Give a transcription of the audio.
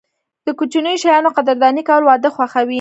د کوچنیو شیانو قدرداني کول، واده خوښوي.